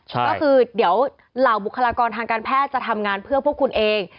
ก็คือเดี๋ยวเหล่าบุคลากรทางการแพทย์จะทำงานเพื่อพวกคุณเอง